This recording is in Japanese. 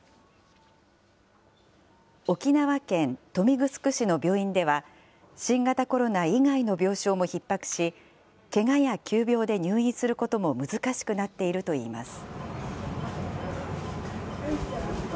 沖縄県豊見城市の病院では、新型コロナ以外の病床もひっ迫し、けがや急病で入院することも難しくなっているといいます。